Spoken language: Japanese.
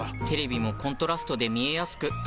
テレビもコントラストで見えやすく。